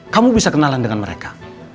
kamu bisa kenalan dengan mereka